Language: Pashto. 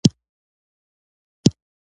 ما د غرمۍ ډوډۍ په بېړه دوې ګولې وکړې.